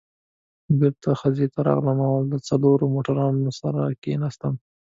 بېرته خزې ته راغلم او له څلورو موټروانانو سره کېناستم.